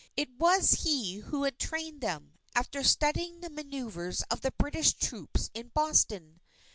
It was he who had trained them, after studying the manœuvres of the British troops in Boston.